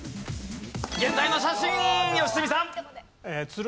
現在の写真良純さん。